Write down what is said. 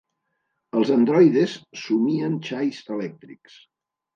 Els androides somien xais elèctrics?